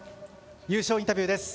優勝インタビューです。